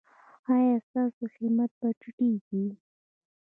ایا ستاسو همت به ټیټیږي؟